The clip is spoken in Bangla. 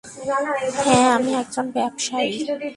হ্যাঁ, আমি এক জন ব্যবসায়ী।